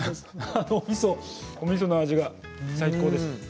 おみその味が最高です。